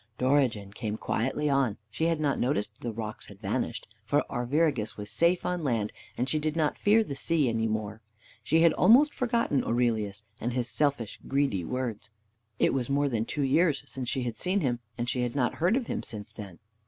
Dorigen came quietly on. She had not noticed that the rocks had vanished, for Arviragus was safe on land, and she did not fear the sea any more. She had almost forgotten Aurelius and his selfish, greedy words. It was more than two years since she had seen him, and she had not heard of him since then.